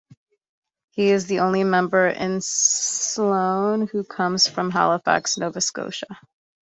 He is the only member in Sloan who comes from Halifax, Nova Scotia.